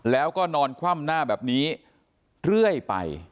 แล้วก็นอนคว่ำหน้าแบบนี้เรื่อยไป